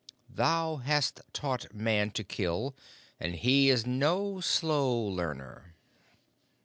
Thou hast taught Man to kill, and he is no slow learner.'